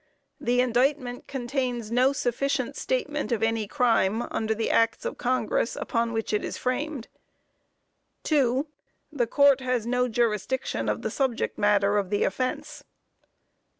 The indictment contains no sufficient statement of any crime under the Acts of Congress, upon which it is framed. 2. The Court has no jurisdiction of the subject matter of the offense.